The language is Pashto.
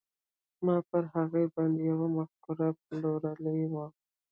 ما پر هغه باندې يوه مفکوره پلورلې وه.